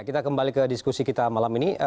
kita kembali ke diskusi kita malam ini